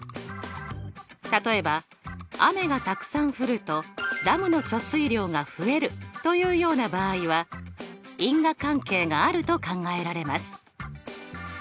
例えば雨がたくさん降るとダムの貯水量が増えるというような場合は因果関係があると考えられます。